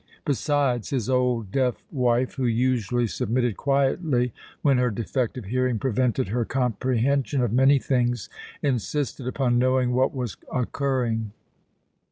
Besides, his old deaf wife, who usually submitted quietly when her defective hearing prevented her comprehension of many things, insisted upon knowing what was occurring.